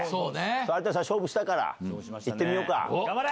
有田さん、勝負したから、いって頑張れ！